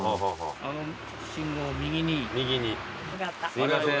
すいません。